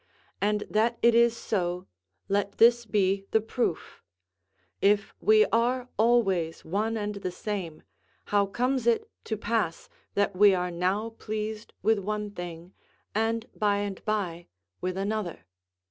And that it is so let this be the proof; if we are always one and the same, how comes it to pass that we are now pleased with one thing, and by and by with another?